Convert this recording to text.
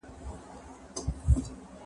زه به سبا واښه راوړم